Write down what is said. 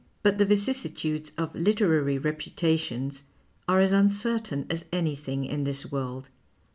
But the vicissitudes of literary reputations are as uncertain as anything in this world, and M.